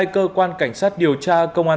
cơ quan cảnh sát điều tra công an